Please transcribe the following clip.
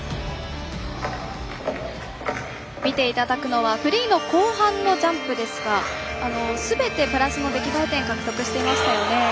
見ていただくのはフリーの後半のジャンプですがすべてプラスの出来栄え点獲得していましたよね。